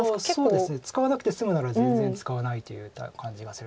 そうですね使わなくて済むなら全然使わないという感じがするので。